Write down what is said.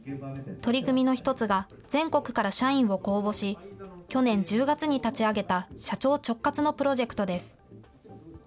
取り組みの一つが、全国から社員を公募し、去年１０月に立ち上げた社長直轄のプロジェクトです。